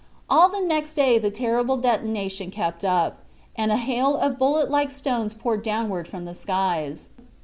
All the next day the terrible detonation kept up, and a hail of bullet like stones poured downward from the skies.